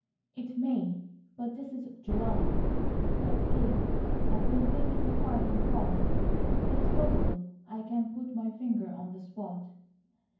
"It MAY, but this is July," said Kate. "I've been thinking hard and fast. It's probable I can put my finger on the spot."